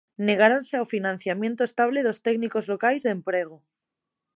Negáronse ao financiamento estable dos técnicos locais de emprego.